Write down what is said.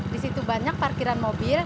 di situ banyak parkiran mobil